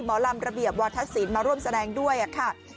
หมอลำระเบียบวาธศิลป์มาร่วมแสดงด้วยค่ะ